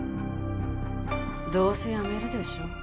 どうせ辞めるでしょ。